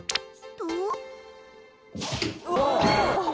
と。